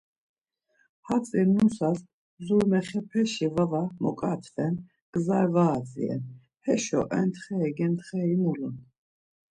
Hatzi nusas mzurmexepeşi vava moǩatven gza var adziren, heşo entxer gentxeri mulun.